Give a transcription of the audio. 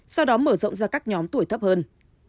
sau đó mở rộng ra các nhóm tuổi thấp hơn